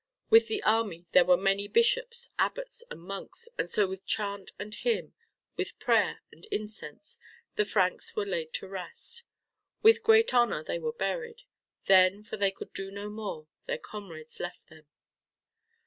With the army there were many bishops, abbots and monks, and so with chant and hymn, with prayer and incense, the Franks were laid to rest. With great honor they were buried. Then, for they could do no more, their comrades left them.